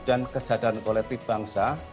dan kesadaran kolektif bangsa